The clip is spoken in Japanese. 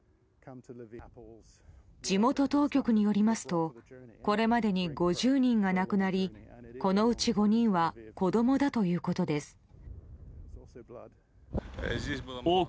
地元当局によりますとこれまでに５０人が亡くなりこのうち５人は子供だということです。